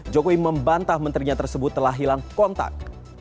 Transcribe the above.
jokowi membantah menterinya tersebut telah hilang kontak